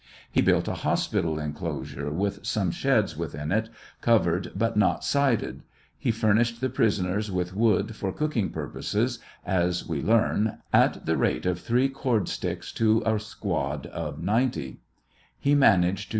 He built a hospital enclosure with some sheds within it, covered but not sided; he furnished the prisoners with wood for cooking purposes, as, we learn, at the rate of three cord sticks to a squad of ninety; he managed to TKIAL OF HENRY WIRZ.